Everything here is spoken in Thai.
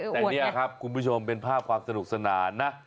แต่นี่ครับคุณผู้ชมเป็นภาพความสนุกสนานนะ